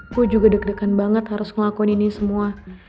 aku juga deg degan banget harus ngelakuin ini semua